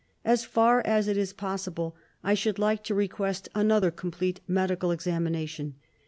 As far as it is possible I should like to request another complete medical examination.